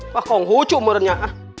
pakong hucu menurutnya